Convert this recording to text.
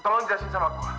tolong jelasin sama gua